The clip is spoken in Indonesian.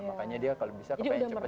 makanya dia kalau bisa kepain cepet cepet